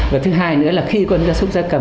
và thứ hai nữa là khi con da súc da cầm